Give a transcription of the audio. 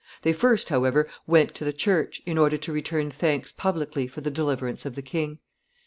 They first, however, went to the church, in order to return thanks publicly for the deliverance of the king.